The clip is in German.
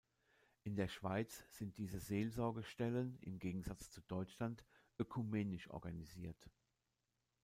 In der Schweiz sind diese Seelsorgestellen, im Gegensatz zu Deutschland, ökumenisch organisiert.